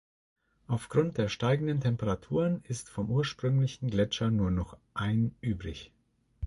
Aufgrund der steigenden Temperaturen ist vom ursprünglichen Gletscher nur noch ein übrig.